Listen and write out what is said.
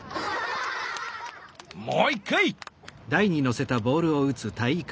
もう一回！